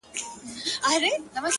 اې گوره تاته وايم!!